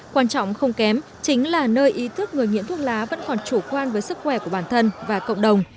quan trọng không kém chính là nơi ý thức người nghiện thuốc lá vẫn còn chủ quan với sức khỏe của bản thân và cộng đồng